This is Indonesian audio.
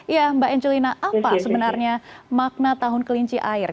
ya mbak angelina apa sebenarnya makna tahun kelinci air